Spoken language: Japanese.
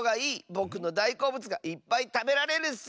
ぼくのだいこうぶつがいっぱいたべられるッス！